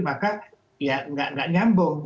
maka ya nggak nyambung